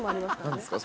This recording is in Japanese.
何ですか？